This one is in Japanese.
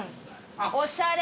おしゃれ！